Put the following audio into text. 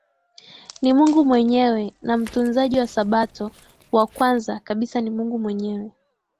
ni Mungu Mwenyewe na Mtunzaji wa Sabato wa Kwanza kabisa ni Mungu mwenyewe